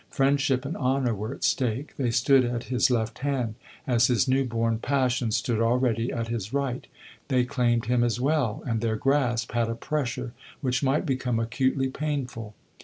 Friendship and honor were at stake; they stood at his left hand, as his new born passion stood already at his right; they claimed him as well, and their grasp had a pressure which might become acutely painful.